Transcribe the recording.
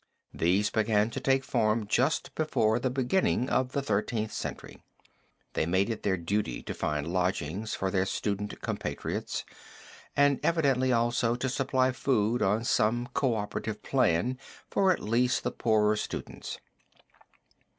These began to take form just before the beginning of the Thirteenth Century. They made it their duty to find lodgings for their student compatriots, and evidently also to supply food on some cooperative plan for at least the poorer students.